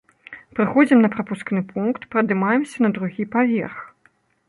Прыходзім на прапускны пункт, падымаемся на другі паверх.